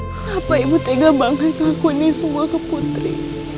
kenapa ibu tega banget ngakuni semua ke putri